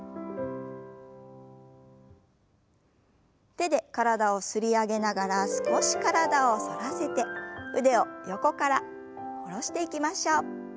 手で体を擦り上げながら少し体を反らせて腕を横から下ろしていきましょう。